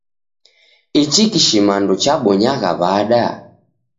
Ichi kishimandu chabonyagha w'ada?